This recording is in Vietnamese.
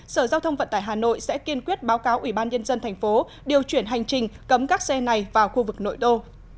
sở giao thông vận tải hà nội sẽ kiên quyết báo cáo ủy ban nhân dân thành phố điều chuyển hành trình cấm các xe này vào khu vực nội đô